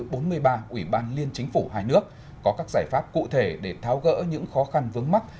của các quỹ ban liên chính phủ hai nước có các giải pháp cụ thể để tháo gỡ những khó khăn vướng mắt